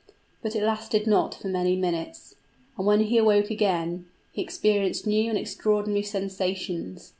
But it lasted not for many minutes; and when he awoke again, he experienced new and extraordinary sensations.